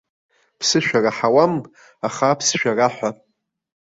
Ԥсышәа раҳауам, аха аԥсшәа раҳәа.